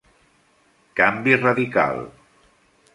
Canvi radical.